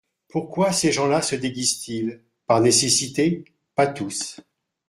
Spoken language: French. Pourquoi ces gens-là se déguisent-ils ? Par nécessité ? Pas tous.